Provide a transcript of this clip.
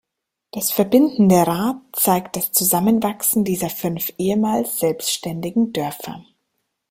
Das verbindende Rad zeigt das Zusammenwachsen dieser fünf ehemals selbständigen Dörfer.